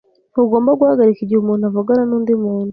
Ntugomba guhagarika igihe umuntu avugana nundi muntu.